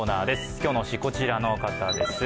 今日の推し、こちらの方です。